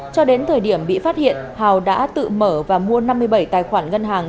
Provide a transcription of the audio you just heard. cho đến thời điểm bị phát hiện hào đã tự mở và mua năm mươi bảy tài khoản ngân hàng